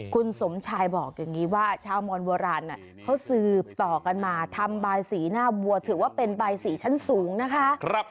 คุณสมชายบอกอย่างนี้ว่าชาวมอนโบราณเขาสืบต่อกันมาทำบายสีหน้าวัวถือว่าเป็นบายสีชั้นสูงนะคะ